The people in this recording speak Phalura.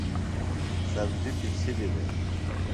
سبزیۡ پڇھلیۡ دےۡ۔